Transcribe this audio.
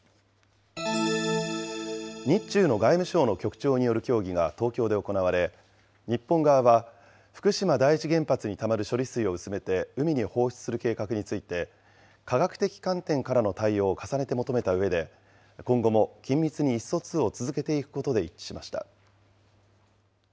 日中の外務省の局長による協議が東京で行われ、日本側は、福島第一原発にたまる処理水を薄めて海に放出する計画について、科学的観点からの対応を重ねて求めたうえで、今後も緊密に意思疎通を続けていくことで一致しました。